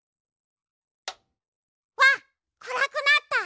わっくらくなった！